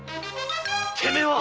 てめえは！